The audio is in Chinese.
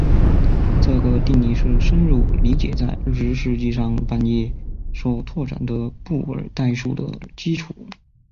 这个定理是深入理解在二十世纪上半叶所拓展的布尔代数的基础。